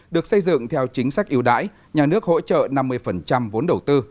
được xây dựng theo chính sách yếu đải nhà nước hỗ trợ năm mươi vốn đầu tư